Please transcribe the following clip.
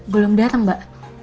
belum dateng mbak